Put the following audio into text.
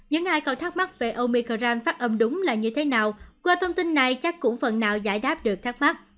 những ai còn thắc mắc về omicran phát âm đúng là như thế nào qua thông tin này chắc cũng phần nào giải đáp được thắc mắc